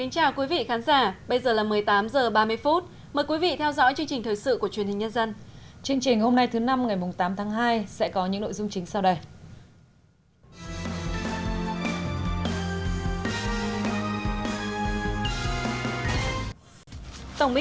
chương trình hôm nay thứ năm ngày tám tháng hai sẽ có những nội dung chính sau đây